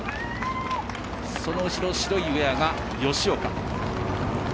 その後ろ、白いウェアが吉岡。